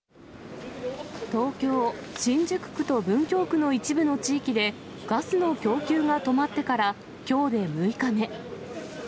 東京・新宿区と文京区の一部の地域で、ガスの供給が止まってからきょうで６日目。